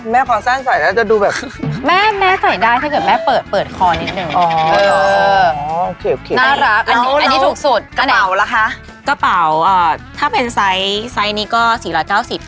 มันคุณะเรื่องเนอะใช่ใช่มีมูลค่าในการทำใช้เวลาอีกแล้วอ๋อ